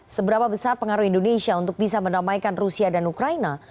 seberapa besar pengaruh indonesia untuk bisa mendamaikan rusia dan ukraina